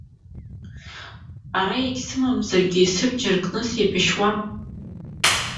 Ара егьсымамзаргьы, сабџьар кны сеибашьуам!